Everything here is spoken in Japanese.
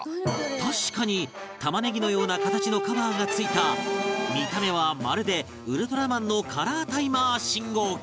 確かに玉ねぎのような形のカバーが付いた見た目はまるでウルトラマンのカラータイマー信号機